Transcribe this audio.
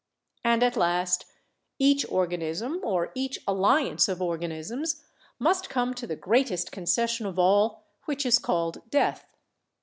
And at last each organism or each alliance of organisms must come to the greatest concession of all, which is called death.